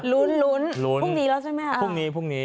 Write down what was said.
รุ้นพรุ่งนี้แล้วใช่ไหม